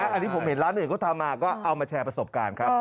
อันนี้ผมเห็นร้านอื่นเขาทำมาก็เอามาแชร์ประสบการณ์ครับ